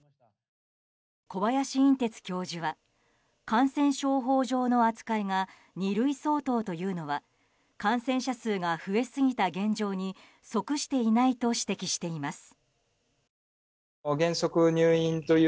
小林寅てつ教授は感染症法上の扱いが二類相当というのは感染者数が増えすぎた現状に即していないと指摘しています。